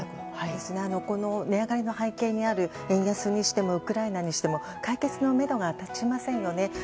この値上がりの背景にある円安にしてもウクライナにしても解決のめどが立ちませんよね。